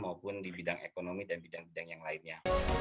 maupun di bidang ekonomi dan bidang bidang yang lainnya